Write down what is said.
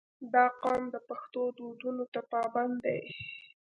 • دا قوم د پښتو دودونو ته پابند دی.